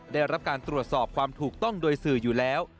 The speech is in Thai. ได้รับการตรวจสอบความถูกต้องโดยสื่ออยู่แล้ว